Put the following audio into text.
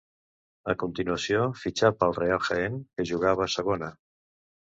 A continuació fitxà pel Real Jaén, que jugava a Segona.